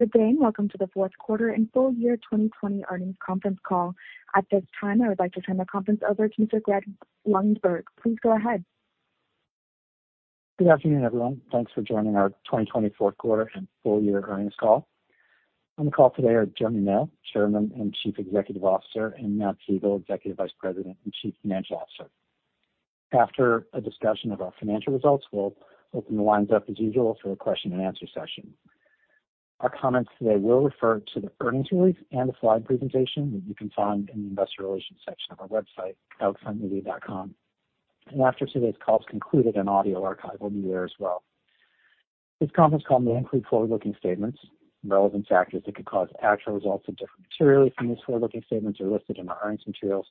Good day. Welcome to the Fourth Quarter and Full-Year 2020 Earnings Conference Call. At this time, I would like to turn the conference over to Mr. Greg Lundberg. Please go ahead. Good afternoon, everyone. Thanks for joining our 2020 Fourth Quarter and Ful- Year Earnings Call. On the call today are Jeremy Male, Chairman and Chief Executive Officer, and Matt Siegel, Executive Vice President and Chief Financial Officer. After a discussion of our financial results, we'll open the lines up, as usual, for a question and answer session. Our comments today will refer to the earnings release and the slide presentation that you can find in the Investor Relations section of our website, outfrontmedia.com. After today's call is concluded, an audio archive will be there as well. This conference call may include forward-looking statements. Relevant factors that could cause actual results to differ materially from these forward-looking statements are listed in our earnings materials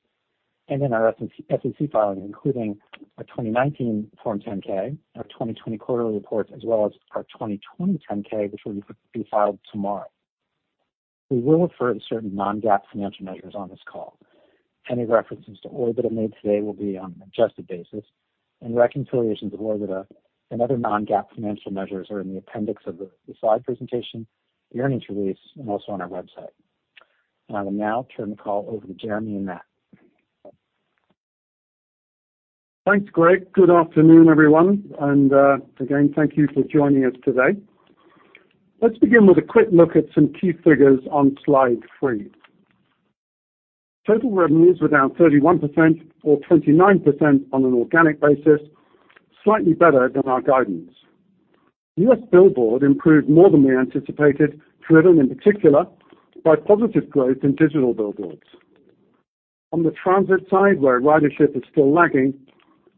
and in our SEC filings, including our 2019 Form 10-K, our 2020 quarterly reports, as well as our 2020 10-K, which will be filed tomorrow. We will refer to certain non-GAAP financial measures on this call. Any references to OIBDA made today will be on an adjusted basis, and reconciliations of OIBDA, and other non-GAAP financial measures are in the appendix of the slide presentation, the earnings release, and also on our website. I will now turn the call over to Jeremy and Matt. Thanks, Greg. Good afternoon, everyone, and again, thank you for joining us today. Let's begin with a quick look at some key figures on slide three. Total revenues were down 31%, or 29% on an organic basis, slightly better than our guidance. U.S. Billboard improved more than we anticipated, driven in particular by positive growth in digital billboards. On the transit side, where ridership is still lagging,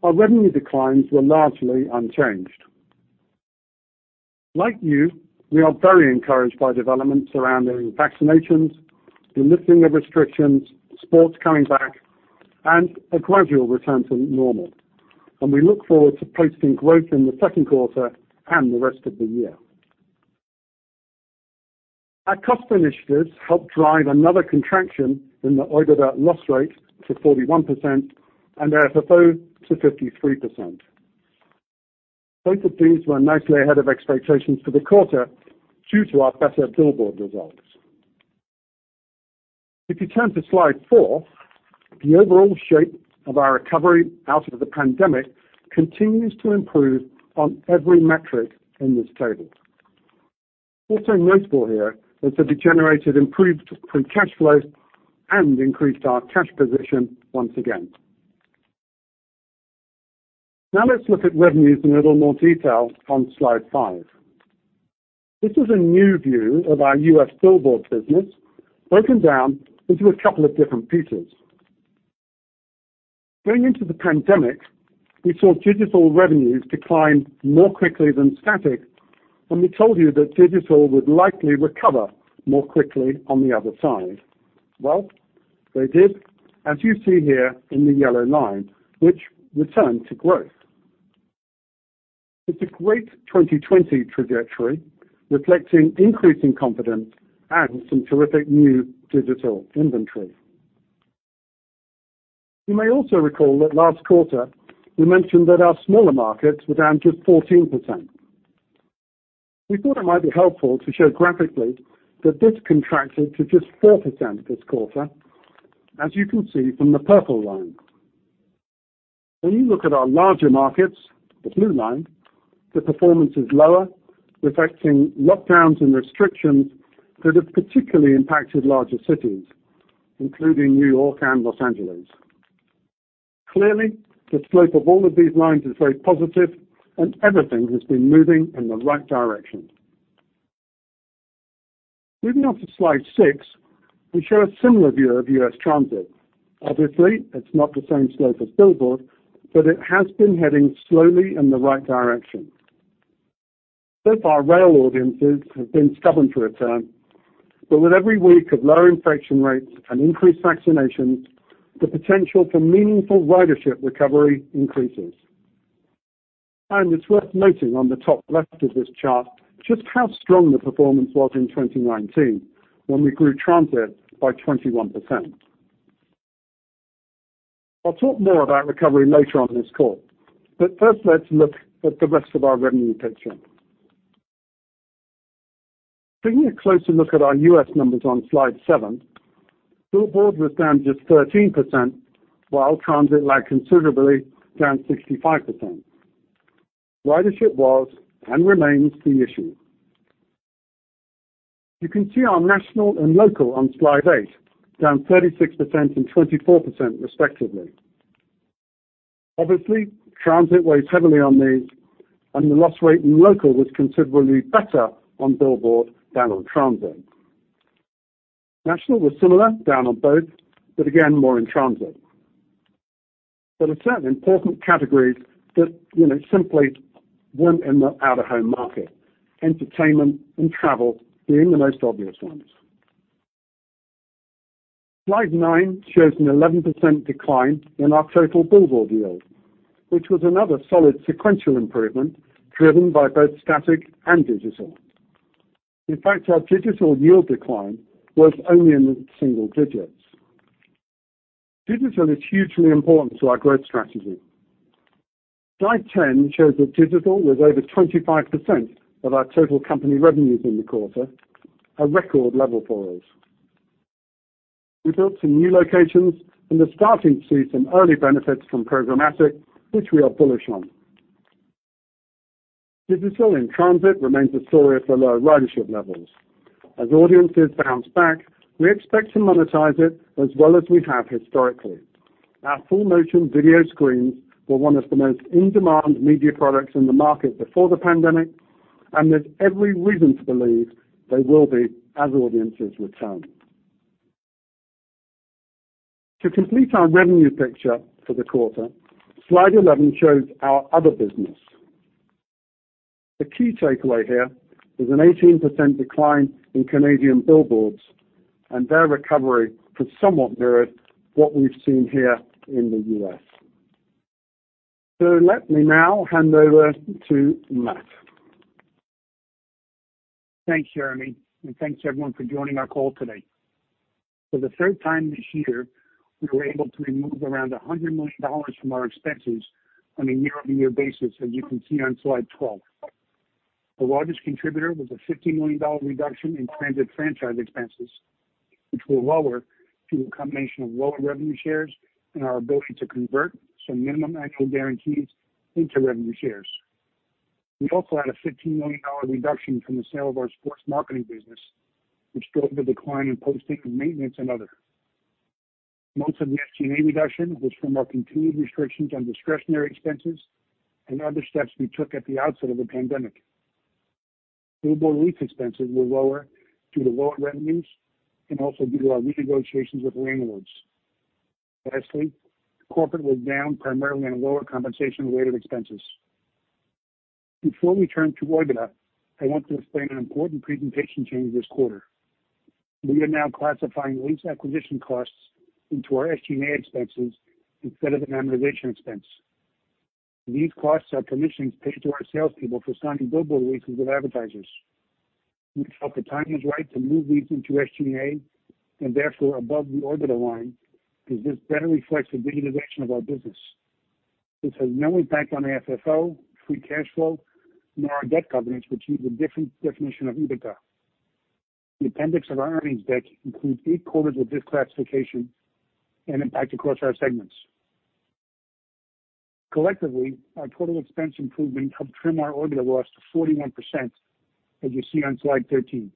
our revenue declines were largely unchanged. Like you, we are very encouraged by developments surrounding vaccinations, the lifting of restrictions, sports coming back, and a gradual return to normal. We look forward to posting growth in the second quarter and the rest of the year. Our cost initiatives helped drive another contraction in the OIBDA loss rate to 41%, and FFO to 53%. Both of these were nicely ahead of expectations for the quarter due to our better billboard results. If you turn to slide four, the overall shape of our recovery out of the pandemic continues to improve on every metric in this table. Also notable here is that we generated improved free cash flows and increased our cash position once again. Now let's look at revenues in a little more detail on slide five. This is a new view of our U.S. billboard business broken down into a couple of different pieces. Going into the pandemic, we saw digital revenues decline more quickly than static and we told you that digital would likely recover more quickly on the other side. Well, they did, as you see here in the yellow line, which returned to growth. It's a great 2020 trajectory reflecting increasing confidence and some terrific new digital inventory. You may also recall that last quarter we mentioned that our smaller markets were down just 14%. We thought it might be helpful to show graphically that this contracted to just 4% this quarter, as you can see from the purple line. When you look at our larger markets, the blue line, the performance is lower, reflecting lockdowns and restrictions that have particularly impacted larger cities, including New York and Los Angeles. Clearly, the slope of all of these lines is very positive and everything has been moving in the right direction. Moving on to slide six, we show a similar view of U.S. transit. Obviously, it's not the same slope as billboard, but it has been heading slowly in the right direction. So far, rail audiences have been stubborn to return, but with every week of low infection rates and increased vaccinations, the potential for meaningful ridership recovery increases. It's worth noting on the top left of this chart just how strong the performance was in 2019, when we grew transit by 21%. I'll talk more about recovery later on in this call but first, let's look at the rest of our revenue picture. Taking a closer look at our U.S. numbers on slide seven, billboard was down just 13%, while transit lagged considerably, down 65%. Ridership was, and remains, the issue. You can see our national and local on slide eight, down 36% and 24% respectively. Obviously, transit weighs heavily on these, and the loss rate in local was considerably better on billboard, than on transit. National was similar down on both, but again, more in transit. There are certain important categories that simply weren't in the out-of-home market, entertainment and travel being the most obvious ones. Slide nine shows an 11% decline in our total billboard yield, which was another solid sequential improvement driven by both static and digital. In fact, our digital yield decline was only in the single-digits. Digital is hugely important to our growth strategy. Slide 10 shows that digital was over 25% of our total company revenues in the quarter, a record level for us. We built some new locations and are starting to see some early benefits from programmatic, which we are bullish on. Digital in transit remains a story of the low ridership levels. As audiences bounce back, we expect to monetize it as well as we have historically. Our full motion video screens were one of the most in-demand media products in the market before the pandemic, and there's every reason to believe they will be as audiences return. To complete our revenue picture for the quarter, Slide 11 shows our other business. The key takeaway here is an 18% decline in Canadian billboards, and their recovery could somewhat mirror what we've seen here in the U.S. Let me now hand over to Matt. Thanks, Jeremy, and thanks everyone for joining our call today. For the third time this year, we were able to remove around $100 million from our expenses on a year-over-year basis, as you can see on slide 12. The largest contributor was a $15 million reduction in Transit franchise expenses, which were lower due to a combination of lower revenue shares and our ability to convert some minimum annual guarantees into revenue shares. We also had a $15 million reduction from the sale of our Sports Marketing business, which drove the decline in Posting, Maintenance and Other. Most of the SG&A reduction was from our continued restrictions on discretionary expenses and other steps we took at the outset of the pandemic. Billboard lease expenses were lower due to lower revenues and also due to our renegotiations with landlords. Lastly, Corporate was down primarily on lower compensation and related expenses. Before we turn to OIBDA, I want to explain an important presentation change this quarter. We are now classifying lease acquisition costs into our SG&A expenses instead of an amortization expense. These costs are commissions paid to our salespeople for signing billboard leases with advertisers. We felt the time is right to move these into SG&A and therefore above the OIBDA line, because this better reflects the utilization of our business. This has no impact on our FFO, free cash flow, nor our debt covenants, which use a different definition of OIBDA. The appendix of our earnings deck includes eight quarters of this classification and impact across our segments. Collectively, our total expense improvement helped trim our OIBDA loss to 41% as you see on slide 13.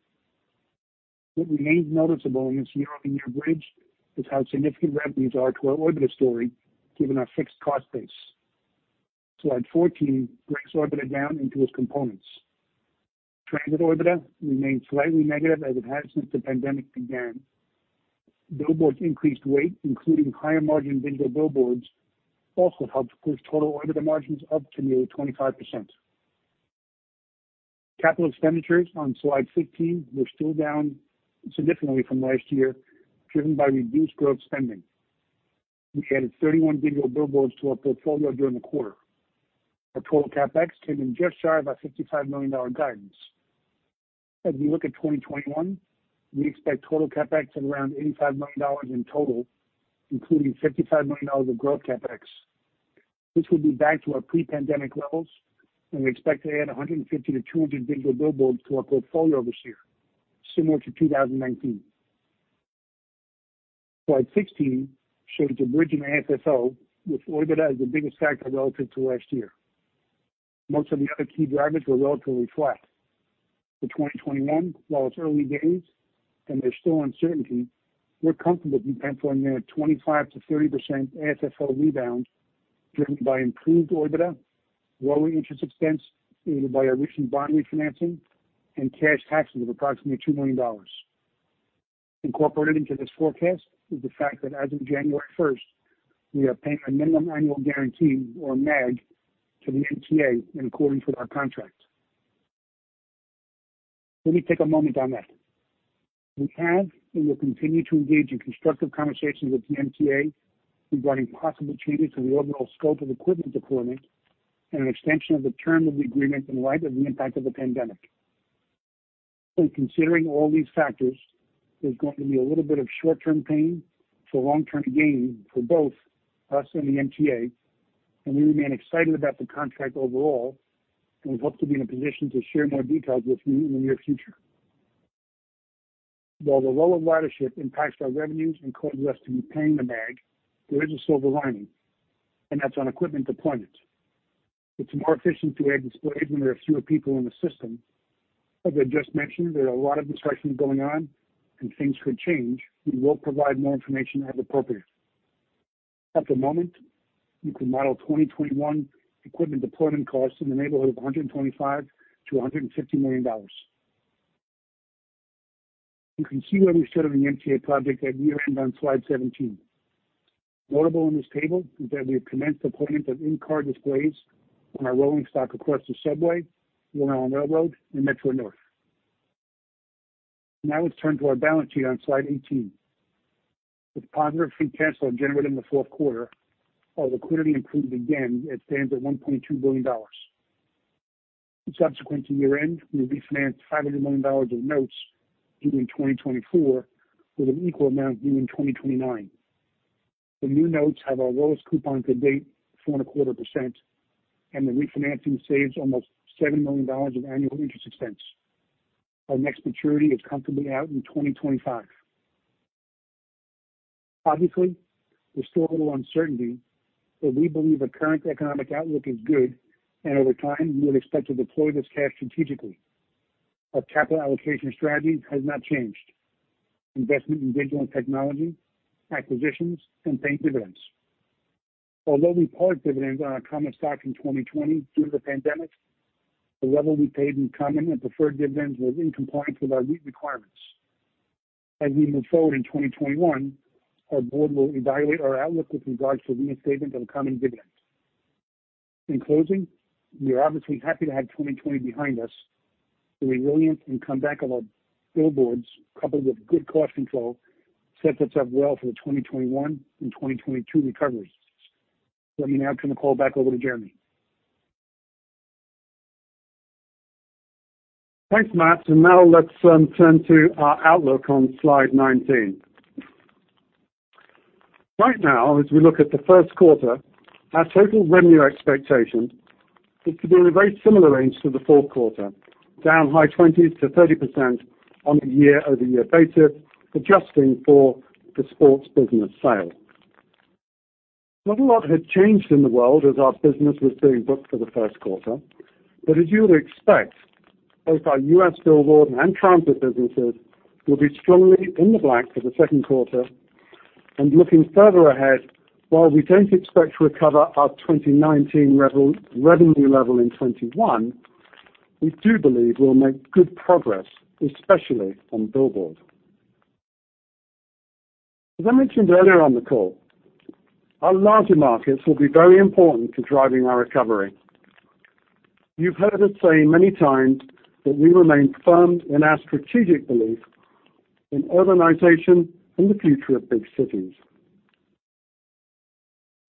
What remains noticeable in this year-over-year bridge is how significant revenues are to our OIBDA story given our fixed cost base. Slide 14 breaks OIBDA down into its components. Transit OIBDA remains slightly negative as it has since the pandemic began. Billboard's increased rate, including higher margin digital billboards, also helped push total OIBDA margins up to nearly 25%. Capital expenditures on Slide 15 were still down significantly from last year, driven by reduced growth spending. We added 31 digital billboards to our portfolio during the quarter. Our total CapEx came in just shy of our $55 million guidance. As we look at 2021, we expect total CapEx of around $85 million in total, including $55 million of growth CapEx. This will be back to our pre-pandemic levels, and we expect to add 150 to 200 digital billboards to our portfolio this year, similar to 2019. Slide 16 shows the bridge in the AFFO with OIBDA as the biggest factor relative to last year. Most of the other key drivers were relatively flat. For 2021, while it's early days and there's still uncertainty, we're comfortable deploying to near 25% to 30% AFFO rebound driven by improved OIBDA, lower interest expense aided by our recent bond refinancing, and cash taxes of approximately $2 million. Incorporated into this forecast is the fact that as of January 1st, we are paying a minimum annual guarantee or MAG to the MTA in accordance with our contract. Let me take a moment on that. We have and will continue to engage in constructive conversations with the MTA regarding possible changes to the overall scope of equipment deployment and an extension of the term of the agreement in light of the impact of the pandemic. In considering all these factors, there's going to be a little bit of short-term pain for long-term gain for both us and the MTA, and we remain excited about the contract overall, and we hope to be in a position to share more details with you in the near future. While the role of ridership impacts our revenues and causes us to be paying the MAG, there is a silver lining, and that's on equipment deployment. It's more efficient to add displays when there are fewer people in the system. As I just mentioned, there are a lot of discussions going on, and things could change. We will provide more information as appropriate. At the moment, you can model 2021 equipment deployment costs in the neighborhood of $125 million to $150 million. You can see where we stood on the MTA project at year-end on slide 17. Notable in this table is that we have commenced deployment of in-car displays on our rolling stock across the subway, Long Island Rail Road, and Metro-North. Now, let's turn to our balance sheet on slide 18. With positive free cash flow generated in the fourth quarter, our liquidity improved again and stands at $1.2 billion. Subsequent to year-end, we refinanced $500 million of notes due in 2024 with an equal amount due in 2029. The new notes have our lowest coupon to date, 4.25%, and the refinancing saves almost $7 million of annual interest expense. Our next maturity is comfortably out in 2025. Obviously, there's still a little uncertainty, but we believe the current economic outlook is good, and over time, we would expect to deploy this cash strategically. Our capital allocation strategy has not changed, investment in digital and technology, acquisitions, and paying dividends. Although we paused dividends on our common stock in 2020 due to the pandemic, the level we paid in common and preferred dividends was in compliance with our REIT requirements. As we move forward in 2021, our Board will evaluate our outlook with regards to reinstatement of the common dividends. In closing, we are obviously happy to have 2020 behind us. The resilience and comeback of our billboards, coupled with good cost control, sets us up well for the 2021 and 2022 recoveries. Let me now turn the call back over to Jeremy. Thanks, Matt. Now let's turn to our outlook on slide 19. Right now, as we look at the first quarter, our total revenue expectation is to be in a very similar range to the fourth quarter, down high 20% to 30% on the year-over-year basis, adjusting for the sports business sale. Not a lot had changed in the world as our business was being booked for the first quarter. As you would expect, both our U.S. billboard and transit businesses will be strongly in the black for the second quarter. Looking further ahead, while we don't expect to recover our 2019 revenue level in 2021, we do believe we'll make good progress, especially on billboard. As I mentioned earlier on the call, our larger markets will be very important to driving our recovery. You've heard us say many times that we remain firm in our strategic belief in urbanization and the future of big cities.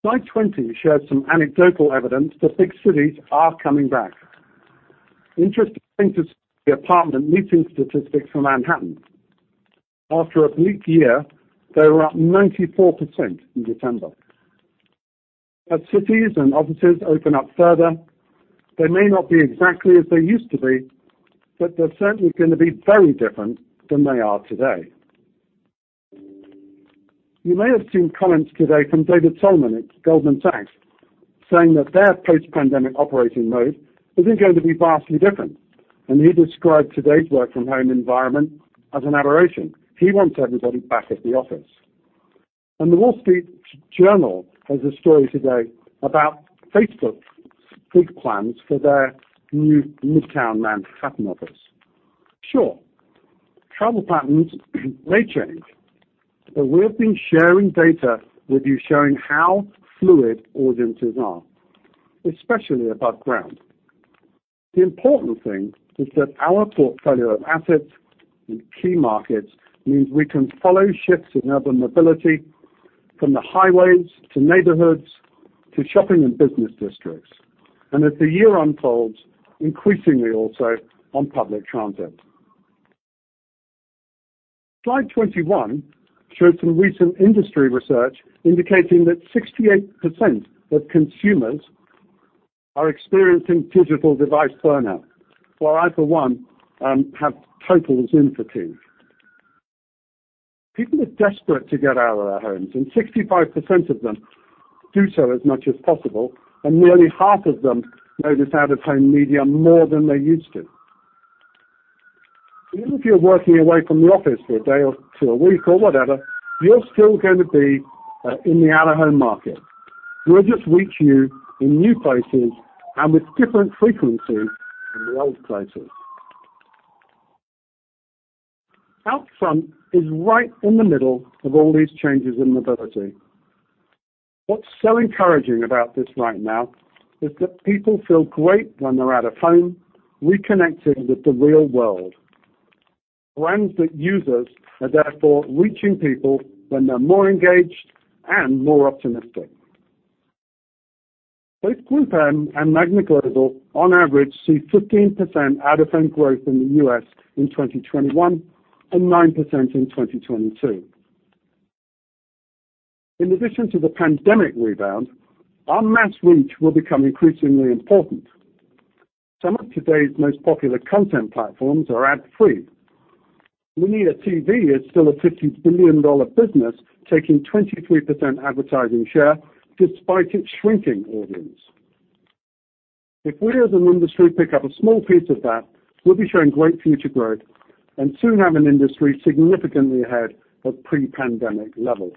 Slide 20 shares some anecdotal evidence that big cities are coming back. Interesting to see apartment leasing statistics for Manhattan. After a bleak year, they were up 94% in December. As cities and offices open up further, they may not be exactly as they used to be but they're certainly going to be very different than they are today. You may have seen comments today from David Solomon at Goldman Sachs saying that their post-pandemic operating mode isn't going to be vastly different, and he described today's work from home environment as an aberration. He wants everybody back at the office. The Wall Street Journal has a story today about Facebook's big plans for their new Midtown Manhattan office. Sure, travel patterns may change, but we've been sharing data with you showing how fluid audiences are, especially above ground. The important thing is that our portfolio of assets in key markets means we can follow shifts in urban mobility from the highways to neighborhoods to shopping and business districts, and as the year unfolds, increasingly also on public transit. Slide 21 shows some recent industry research indicating that 68% of consumers are experiencing digital device burnout, while I, for one, have total sympathy. People are desperate to get out of their homes, and 65% of them do so as much as possible, and nearly half of them notice out-of-home media more than they used to. Even if you're working away from the office for a day or two a week or whatever, you're still going to be in the out-of-home market. We'll just reach you in new places and with different frequency in the old places. Outfront is right in the middle of all these changes in mobility. What's so encouraging about this right now is that people feel great when they're out-of-home, reconnecting with the real world. Brands that use us are therefore reaching people when they're more engaged and more optimistic. Both GroupM and Magna Global, on average, see 15% out-of-home growth in the U.S. in 2021, and 9% in 2022. In addition to the pandemic rebound, our mass reach will become increasingly important. Some of today's most popular content platforms are ad-free. Linear TV is still a $50 billion business taking 23% advertising share despite its shrinking audience. If we as an industry pick up a small piece of that, we'll be showing great future growth and soon have an industry significantly ahead of pre-pandemic levels.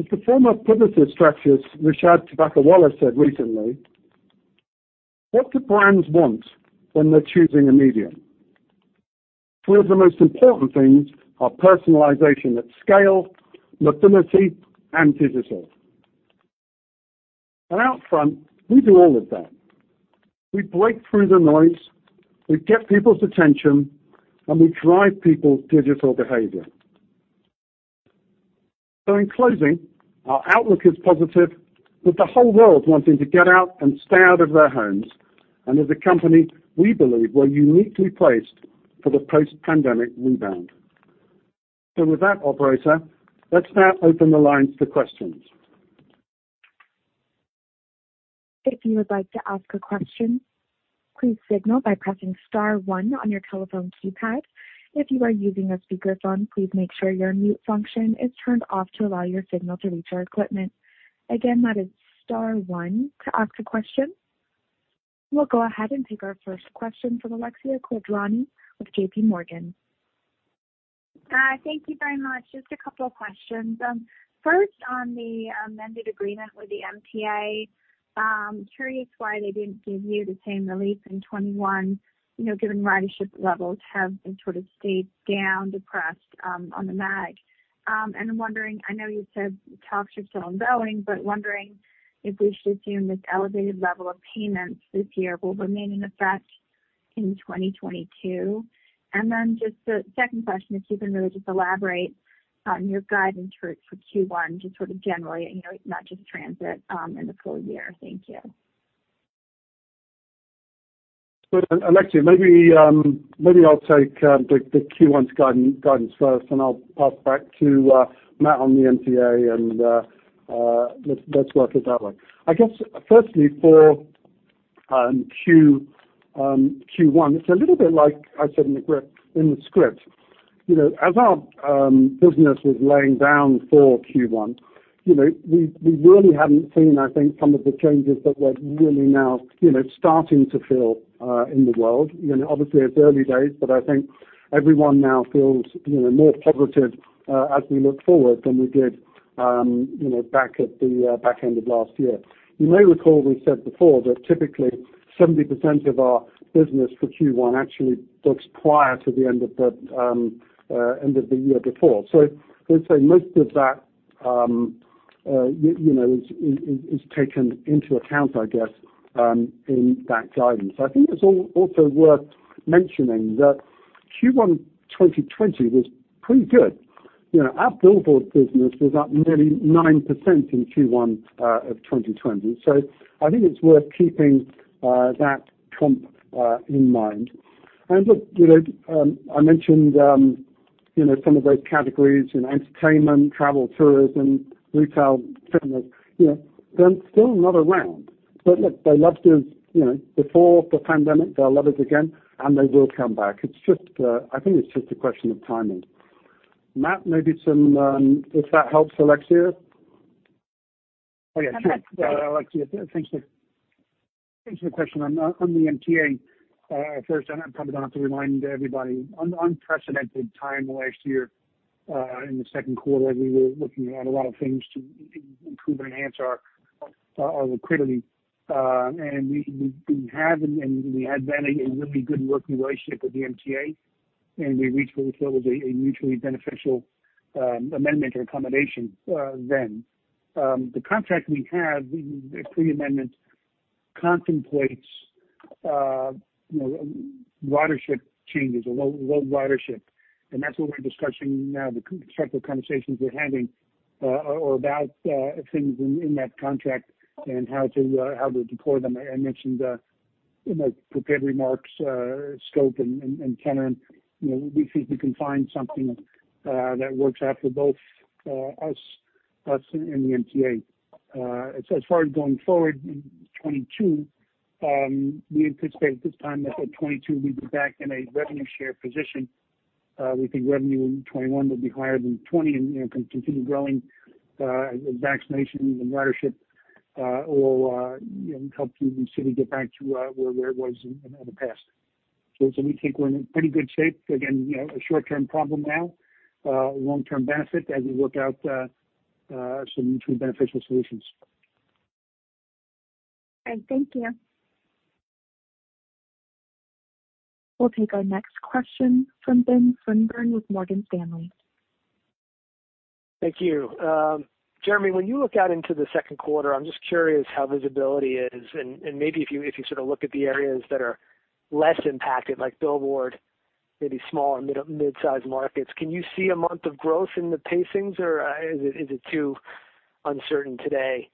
As the former Publicis strategist, Rishad Tobaccowala, said recently, what do brands want when they're choosing a medium? Three of the most important things are personalization at scale, mobility, and digital. At Outfront, we do all of that. We break through the noise, we get people's attention, and we drive people's digital behavior. In closing, our outlook is positive with the whole world wanting to get out and stay out of their homes. As a company, we believe we're uniquely placed for the post-pandemic rebound. With that, operator, let's now open the lines to questions. If you would like to ask a question, please signal by pressing star one on your telephone keypad. If you are using a speakerphone, please make sure your mute function is turned off to allow your signal to reach our equipment. Again, that is star one to ask a question. We'll go ahead and take our first question from Alexia Quadrani with J.P. Morgan. Hi. Thank you very much. Just a couple of questions, first, on the amended agreement with the MTA, curious why they didn't give you the same relief in 2021, given ridership levels have been sort of stayed down, depressed, on the MAG. I'm wondering, I know you said talks are still ongoing, but wondering if we should assume this elevated level of payments this year will remain in effect in 2022. Then just a second question, if you can really just elaborate on your guidance for Q1, just sort of generally, not just transit, in the full-year. Thank you. Alexia, maybe I'll take the Q1's guidance first, and I'll pass back to Matt on the MTA, and let's work it that way. Firstly, for Q1, it's a little bit like I said in the script. As our business was laying down for Q1, we really hadn't seen, I think, some of the changes that we're really now starting to feel in the world. Obviously, it's early days, but I think everyone now feels more positive as we look forward than we did, you know, back at the end of last year. You may recall we said before that typically 70% of our business for Q1 actually books prior to the end of the year before. Most of that is taken into account in that guidance. I think it's also worth mentioning that Q1 2020 was pretty good. Our billboard business was up nearly 9% in Q1 of 2020. I think it's worth keeping that comp in mind. Look, I mentioned some of those categories, entertainment, travel, tourism, retail, fitness, you know, they're still not around. Look, they loved us before the pandemic. They'll love us again, and they will come back. I think it's just a question of timing. Matt, maybe if that helps, Alexia? Okay. Okay, sure. Alexia, thanks for the question. On the MTA, first, I'm probably going to have to remind everybody, unprecedented time last year in the second quarter. We were looking at a lot of things to improve and enhance our liquidity. We have, and we had then, a really good working relationship with the MTA, and we reached what we felt was a mutually beneficial amendment or accommodation then. The contract we have, the pre-amendment, contemplates ridership changes or low ridership and that's what we're discussing now. The constructive conversations we're having are about things in that contract and how to deploy them. I mentioned the prepared remarks, scope, and tenor, and we think we can find something that works out for both us and the MTA. As far as going forward in 2022, we anticipate at this time that for 2022, we'll be back in a revenue share position. We think revenue in 2021 will be higher than 2020 and can continue growing as vaccination even ridership will help the city get back to where it was in the past. We think we're in pretty good shape. Again, we have a short-term problem now, a long-term benefit as we work out some mutually beneficial solutions. Great. Thank you. We'll take our next question from Ben Swinburne with Morgan Stanley. Thank you. Jeremy, when you look out into the second quarter, I'm just curious how visibility is, and maybe if you sort of look at the areas that are less impacted, like billboard, maybe small or mid-size markets, can you see a month of growth in the pacings, or is it too uncertain today?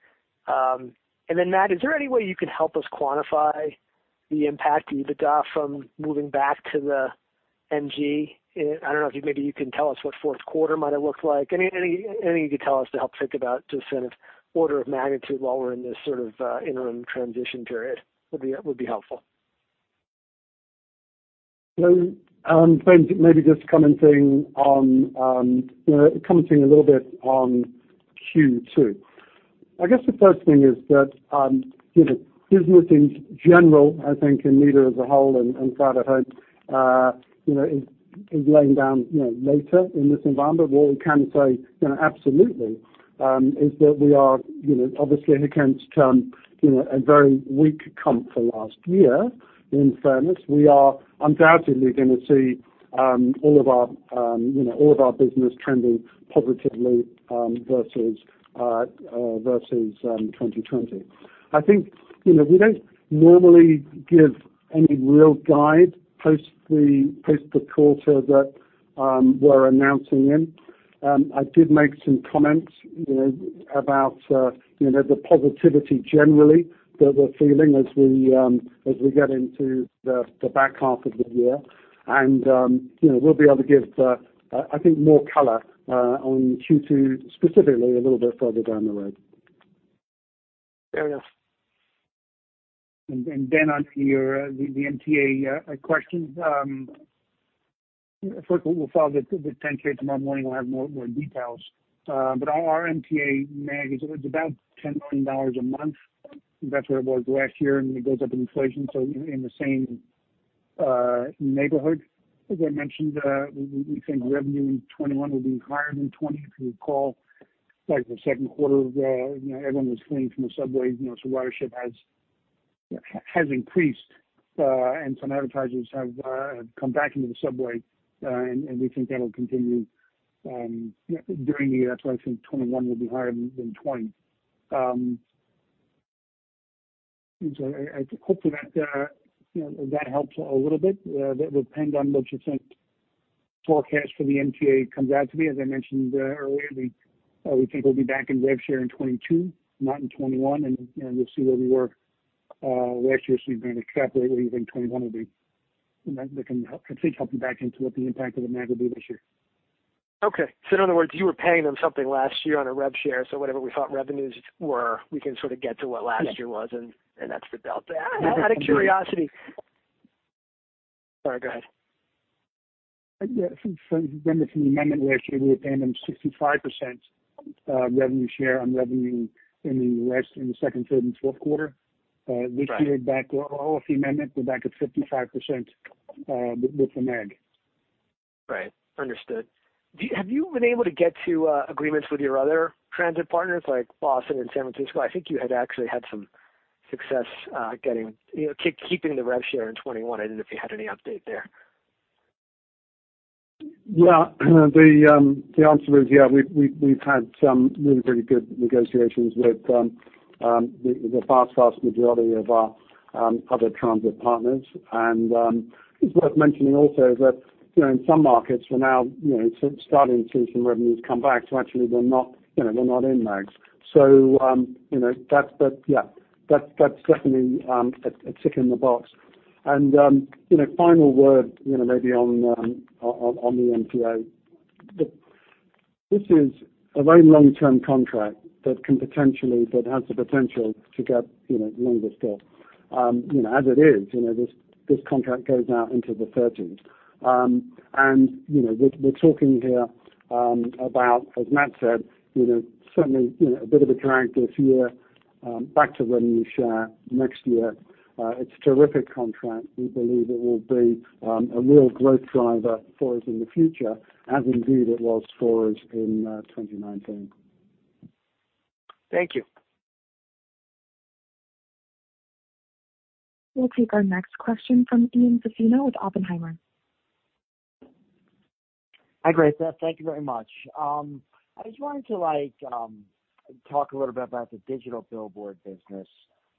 Matt, is there any way you could help us quantify the impact to EBITDA from moving back to the MG? I don't know if maybe you can tell us what fourth quarter might've looked like. Anything you could tell us to help think about just in an order of magnitude while we're in this sort of interim transition period would be helpful. Ben, maybe just commenting a little bit on Q2. The first thing is that business in general, I think in media as a whole and out-of-home, is laying down later in this environment. What we can say absolutely is that we are obviously against, you know, a very weak comp for last year, in fairness. We are undoubtedly going to see all of our business trending positively versus 2020. I think we don't normally give any real guidepost the quarter that we're announcing in. I did make some comments about the positivity generally that we're feeling as we get into the back half of the year, and, you know, we'll be able to give, I think, more color on Q2, specifically, a little bit further down the road. Fair enough. On the MTA question, first, we'll file the 10-K tomorrow morning, we'll have more details. Our MTA MAG is about $10 million a month. That's where it was last year, and it goes up with inflation, in the same neighborhood. As I mentioned, we think revenue in 2021 will be higher than 2020. If you recall, like the second quarter, everyone was fleeing from the subway, you know, so ridership has increased, and some advertisers have come back into the subway, and we think that'll continue during the year. That's why I think 2021 will be higher than 2020. Hopefully that helps a little bit. That will depend on what you think forecast for the MTA comes out to be. As I mentioned earlier, we think we'll be back in rev share in 2022, not in 2021, and we'll see where we were last year, so we can kind of calculate what we think 2021 will be. That can, I think, help you back into what the impact of the MAG will be this year. Okay. In other words, you were paying them something last year on a rev share, so whatever we thought revenues were, we can sort of get to what last year was, and that's the delta. Out of curiosity, sorry, go ahead. Yeah. Under the amendment last year, we were paying them 65% revenue share on revenue in the second, third, and fourth quarter. Right. This year, off the amendment, we're back at 55% with the MAG. Right. Understood. Have you been able to get to agreements with your other transit partners like Boston and San Francisco? I think you had actually had some success keeping the rev share in 2021. I didn't know if you had any update there. Yeah. The answer is, yeah. We've had some really very good negotiations with the vast majority of our other transit partners. It's worth mentioning also that in some markets, we're now starting to see some revenues come back. Actually, they're not in MAGs. That's definitely a tick in the box. Final word maybe on the MTA, this is a very long-term contract that has the potential to get longer still, you know, as it is, this contract goes out into the 2030s. We're talking here about, as Matt said, certainly a bit of a drag this year back to revenue share next year. It's a terrific contract. We believe it will be a real growth driver for us in the future, as indeed it was for us in 2019. Thank you. We'll take our next question from Ian Zaffino with Oppenheimer. Hi. Great. Thank you very much. I just wanted to talk a little bit about the digital billboard business.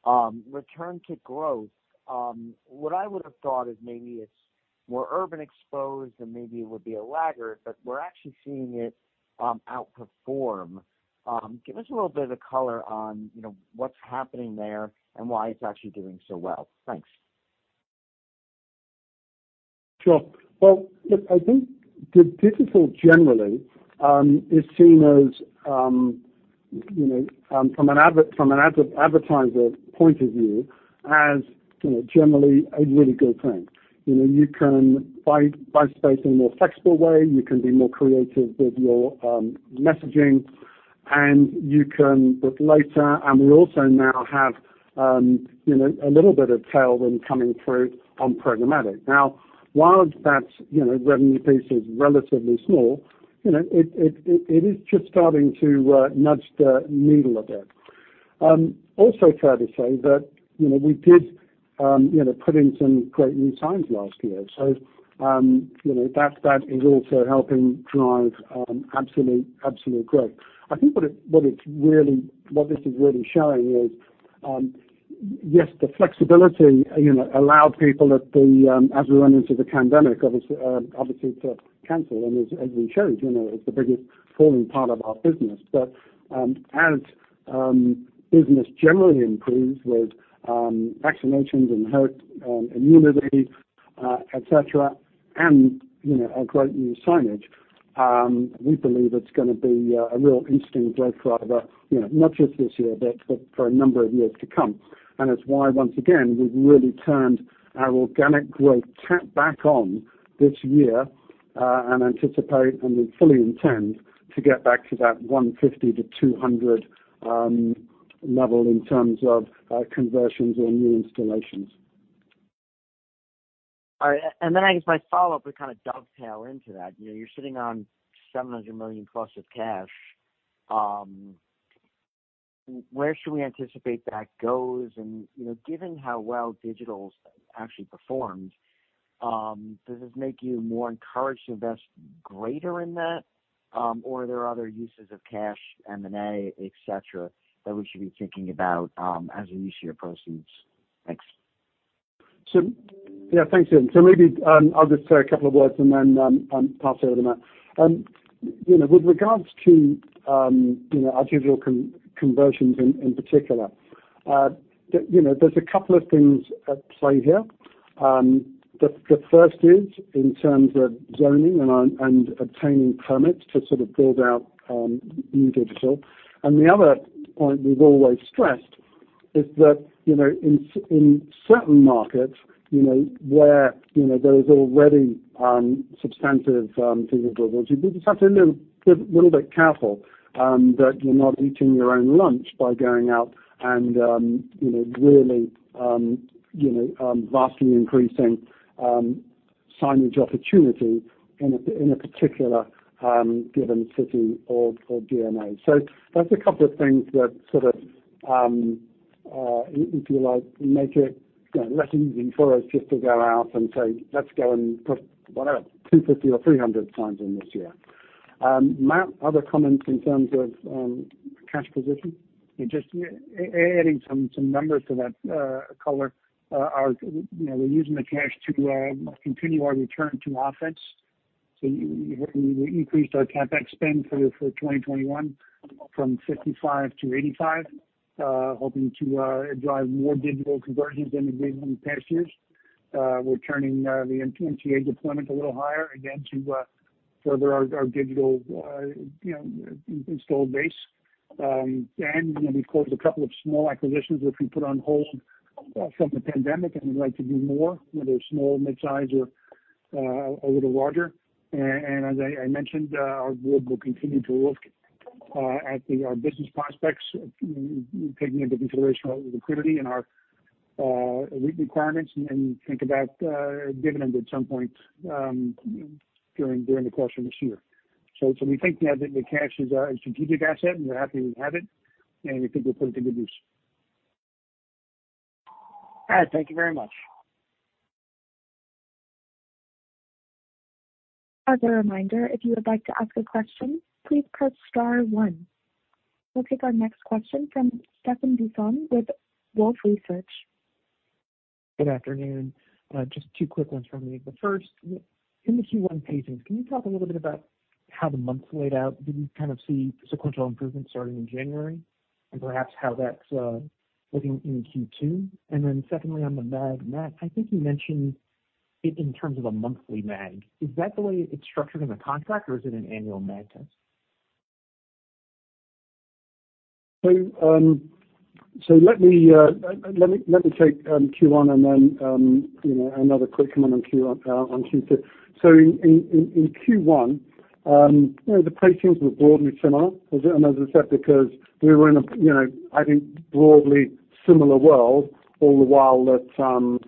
Return to growth, what I would have thought is maybe it's more urban exposed and maybe it would be a laggard, but we're actually seeing it outperform. Give us a little bit of color on what's happening there and why it's actually doing so well. Thanks. Sure. Well, look, I think that digital generally is seen as, from an advertiser point of view, as generally a really good thing. You can buy space in a more flexible way, you can be more creative with your messaging, and you can book later. We also now have a little bit of tailwind coming through on programmatic. Now, while that revenue piece is relatively small, it is just starting to nudge the needle a bit. Also fair to say that, you know, we did put in some great new signs last year. That is also helping drive absolute growth. I think what this is really showing is, yes, the flexibility allowed people, as we went into the pandemic, obviously, to cancel. As we showed, it's the biggest falling part of our business. As business generally improves with vaccinations and herd immunity, et cetera, and our great new signage, we believe it's going to be a real instant growth driver, not just this year, but for a number of years to come. It's why, once again, we've really turned our organic growth tap back on this year, and anticipate and we fully intend to get back to that 150 to 200 level in terms of conversions or new installations. All right. And then my follow-up would kind of dovetail into that. You're sitting on $700 million plus of cash. Where should we anticipate that goes? And given how well digital's actually performed, does this make you more encouraged to invest greater in that or are there other uses of cash, M&A, et cetera, that we should be thinking about as a use of your proceeds? Thanks. Yeah, thanks, Ian. Maybe I'll just say a couple of words and then pass over to Matt. With regards to our digital conversions in particular, there's a couple of things at play here. The first is in terms of zoning and obtaining permits to sort of build out new digital. The other point we've always stressed is that in certain markets where there is already substantive digital boards, you just have to be a little bit careful that you're not eating your own lunch by going out and really vastly increasing signage opportunity in a particular given city or DMA. That's a couple of things that sort of, if you like, make it less easy for us just to go out and say, "Let's go and put, whatever, 250 or 300 signs in this year." Matt, other comments in terms of cash position? Adding some numbers to that color, we're using the cash to continue our return to offense. So we increased our CapEx spend for 2021 from 55 to 85, hoping to drive more digital conversions than we did in past years. We're turning the MTA deployment a little higher, again, to further our digital install base. And we've closed a couple of small acquisitions, which we put on hold from the pandemic, and we'd like to do more, whether small, mid-size, or a little larger. And as I mentioned, our board will continue to look at our business prospects, taking into consideration our liquidity and our requirements, and think about dividends at some point during the course of this year. We think now that the cash is a strategic asset, and we're happy we have it, and we think we'll put it to good use. All right, thank you very much. As a reminder, if you would like to ask a question, please press star one. We'll take our next question from Stephan Bisson with Wolfe Research. Good afternoon, just two quick ones from me. The first, in the Q1 pacing, can you talk a little bit about how the months laid out? Did we kind of see sequential improvements starting in January and perhaps how that's looking in Q2? Secondly, on the MAG, Matt, I think you mentioned it in terms of a monthly MAG. Is that the way it's structured in the contract, or is it an annual MAG test? Let me take Q1 and then another quick comment on Q2. In Q1, the placings were broadly similar, and as I said, because we were in a, I think, broadly similar world all the while that Q1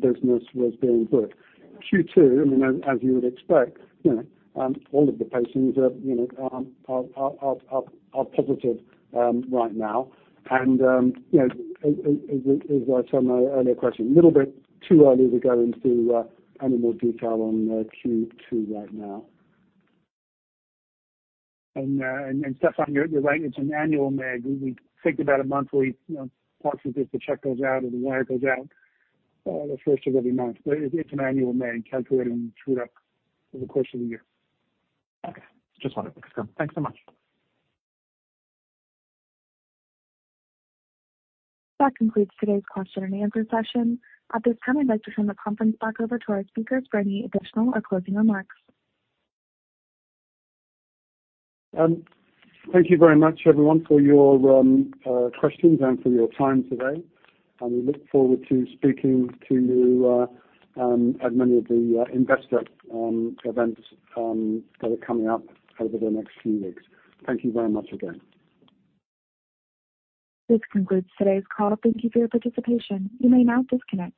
business was being booked. Q2, I mean, as you would expect all of the placings are positive right now. As I said in my earlier question, a little bit too early to go into any more detail on Q2 right now. Stephan, you're right, it's an annual MAG. We think about it monthly, partially just to check the box before the wire goes out the first of every month. It's an annual MAG calculated and trued up over the course of the year. Okay. I just wanted to confirm. Thanks so much. That concludes today's question-and-answer session. At this time, I'd like to turn the conference back over to our speakers for any additional or closing remarks. Thank you very much, everyone, for your questions, and for your time today. We look forward to speaking to you at many of the investor events that are coming up over the next few weeks. Thank you very much again. This concludes today's call. Thank you for your participation. You may now disconnect.